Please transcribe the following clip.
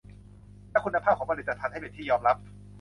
และคุณภาพของผลิตภัณฑ์ให้เป็นที่ยอมรับ